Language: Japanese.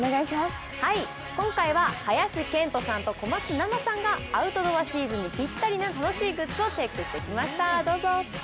今回は林遣都さんと小松菜奈さんがアウトドアシーズンにぴったりな楽しい商品をチェックしてきました。